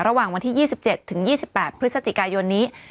ระหว่างวันที่๒๗ถึง๒๘พฤศจิกายนนี้